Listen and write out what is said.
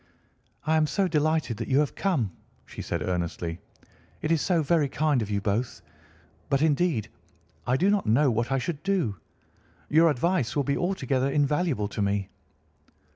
"I am so delighted that you have come," she said earnestly. "It is so very kind of you both; but indeed I do not know what I should do. Your advice will be altogether invaluable to me."